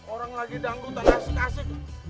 orang lagi dangdutan asik asik